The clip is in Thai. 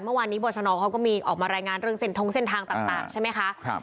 เมื่อวานนี้บรชนเขาก็มีออกมารายงานเรื่องเส้นทงเส้นทางต่างใช่ไหมคะ